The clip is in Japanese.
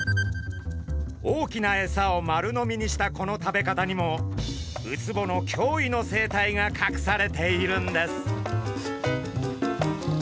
大きなエサを丸飲みにしたこの食べ方にもウツボの驚異の生態がかくされているんです。